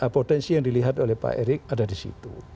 potensi yang dilihat oleh pak erik ada di situ